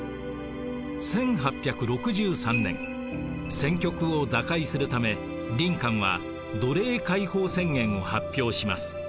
１８６３年戦局を打開するためリンカンは奴隷解放宣言を発表します。